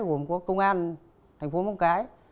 gồm có công an thành phố móng cái